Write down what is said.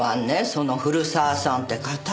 その古澤さんって方。